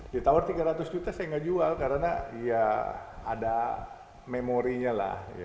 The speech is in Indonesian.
ditawar tiga ratus juta saya nggak jual karena ya ada memorinya lah